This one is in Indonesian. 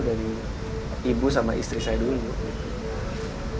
dari ibu sama istri saya dulu gitu